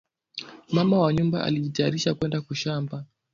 Mama wa nyumba anajitayarisha kwenda ku mashamba